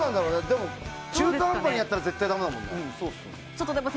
でも中途半端にやったらダメだもんね。